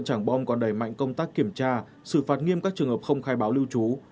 trảng bom còn đẩy mạnh công tác kiểm tra xử phạt nghiêm các trường hợp không khai báo lưu trú